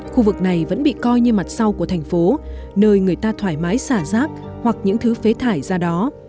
khu vực này vẫn bị coi như mặt sau của thành phố nơi người ta thoải mái xả rác hoặc những thứ phế thải ra đó